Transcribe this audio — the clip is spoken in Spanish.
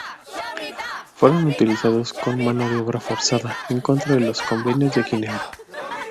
Fueron utilizados como mano de obra forzada, en contra de los Convenios de Ginebra.